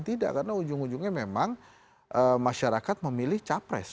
tidak karena ujung ujungnya memang masyarakat memilih capres